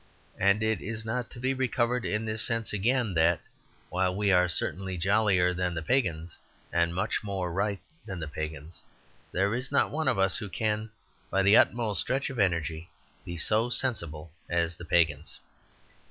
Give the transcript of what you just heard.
And it is not to be recovered in this sense again that, while we are certainly jollier than the pagans, and much more right than the pagans, there is not one of us who can, by the utmost stretch of energy, be so sensible as the pagans.